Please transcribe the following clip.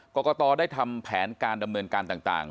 กรกตได้ทำแผนการดำเนินการต่าง